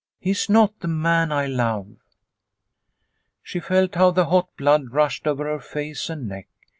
He is not the man I love." She felt how the hot blood rushed over her face and neck.